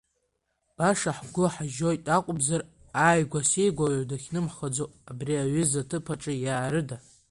Баша ҳгәы ҳажьоит акәымзар, ааигәасигәа уаҩ дахьнымхаӡо абри аҩыза аҭыԥ аҿы иаарыда?